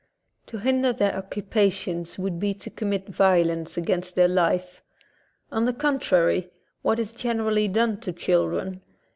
To hinder their occu pations would be to commit violence against their life. On the contrary, what is generally i, done to children?